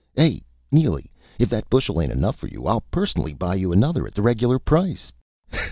Hey, Neely if that bushel ain't enough for you, I'll personally buy you another, at the reg'lar price.